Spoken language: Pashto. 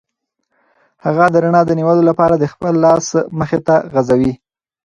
هغه د رڼا د نیولو لپاره خپل لاس مخې ته غځوي.